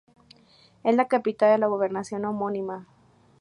Es la capital de la gobernación homónima.